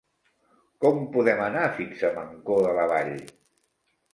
Com podem anar fins a Mancor de la Vall?